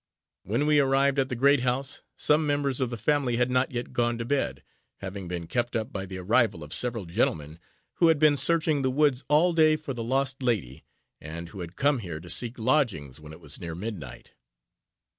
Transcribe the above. When we arrived at the great house, some members of the family had not yet gone to bed, having been kept up by the arrival of several gentlemen who had been searching the woods all day for the lost lady, and who had come here to seek lodgings when it was near midnight.